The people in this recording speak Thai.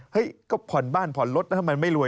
เฮ้ยก็ผ่อนบ้านผ่อนรถทำไมไม่รวย